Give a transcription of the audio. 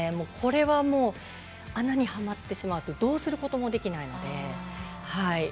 これはもう穴にはまってしまうとどうすることもできないので。